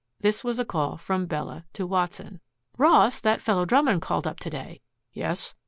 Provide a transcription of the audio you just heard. This was a call from Bella to Watson. "Ross, that fellow Drummond called up to day." "Yes?"